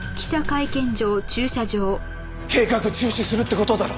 計画中止するって事だろ？